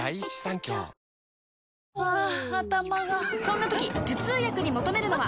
ハァ頭がそんな時頭痛薬に求めるのは？